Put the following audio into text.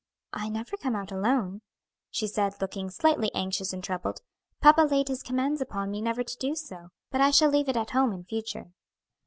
"I never come out alone," she said, looking slightly anxious and troubled; "papa laid his commands upon me never to do so; but I shall leave it at home in future."